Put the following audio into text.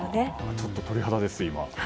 ちょっと鳥肌です、今。